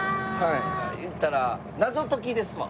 言ったら謎解きですわ。